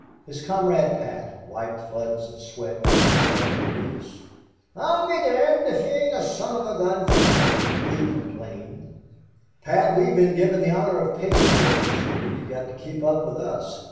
His comrade, Pat, wiped floods of sweat from his scarlet face. "I'll be domned if ye ain't a son of a gun fer worrk!" he complained. "Pat, we've been given the honor of pace makers. They've got to keep up with us.